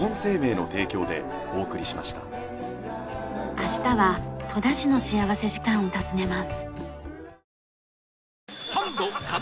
明日は戸田市の幸福時間を訪ねます。